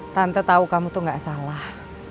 tante tahu kamu tuh gak salah